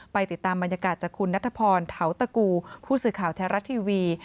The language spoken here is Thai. ติดตามบรรยากาศจากคุณนัทพรเทาตะกูผู้สื่อข่าวไทยรัฐทีวี